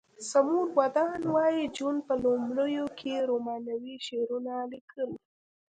سمور ودان وایی جون په لومړیو کې رومانوي شعرونه لیکل